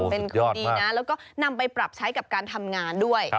เป็นของดีนะแล้วก็นำไปปรับใช้กับการทำงานด้วย